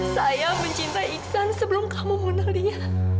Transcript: saya mencintai iksan sebelum kamu mengenal dia